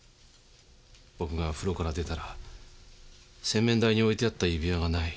僕が風呂から出たら洗面台に置いてあった指輪がない。